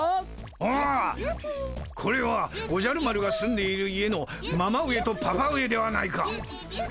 ああこれはおじゃる丸が住んでいる家のママ上とパパ上ではないか。